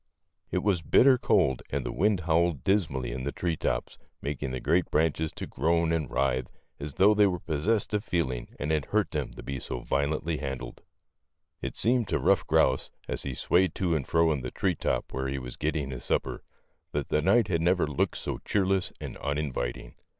It was bitter cold and the wind howled dis mally in the tree tops, making the great branches to groan and writhe, as though they were possessed of feeling and it hurt them to be so violently handled. 115 116 THE LITTLE FORESTERS. It seemed to Euff Grouse, as he swayed to and fro in the tree top where he was getting his supper, that the night had never looked so cheerless and uninviting.